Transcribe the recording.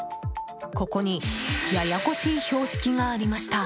ここにややこしい標識がありました。